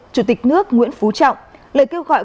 chủ tịch nước nguyễn phú trọng lời kêu gọi